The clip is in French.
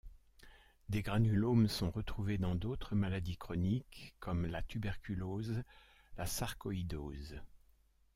Des granulomes sont retrouvés dans d'autres maladies chroniques, comme la tuberculose, la sarcoïdose.